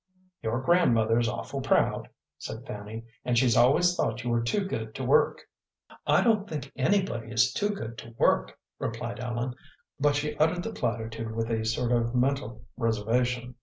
"Your grandmother's awful proud," said Fanny, "and she's always thought you were too good to work." "I don't think anybody is too good to work," replied Ellen, but she uttered the platitude with a sort of mental reservation.